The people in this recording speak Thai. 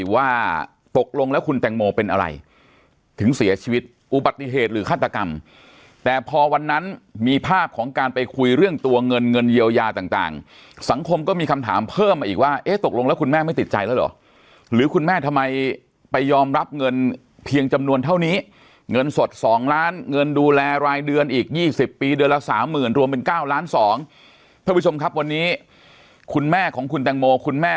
ว่าตกลงแล้วคุณแตงโมเป็นอะไรถึงเสียชีวิตอุบัติเหตุหรือฆาตกรรมแต่พอวันนั้นมีภาพของการไปคุยเรื่องตัวเงินเงินเยียวยาต่างสังคมก็มีคำถามเพิ่มอีกว่าเอ๊ะตกลงแล้วคุณแม่ไม่ติดใจแล้วหรอหรือคุณแม่ทำไมไปยอมรับเงินเพียงจำนวนเท่านี้เงินสด๒ล้านเงินดูแลรายเดือนอีก๒๐ปีเดื